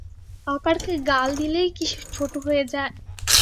আকারকে গাল দিলেই কি সে ছোটো হয়ে যায়?